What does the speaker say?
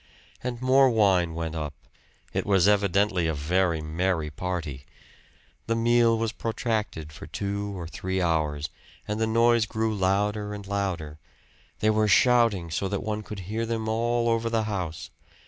And more wine went up it was evidently a very merry party. The meal was protracted for two or three hours, and the noise grew louder and louder. They were shouting so that one could hear them all over the house.